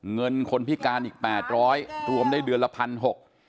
เงินคนพิการอีกแปดร้อยรวมได้เดือนละพันหก